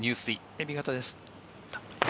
エビ型です。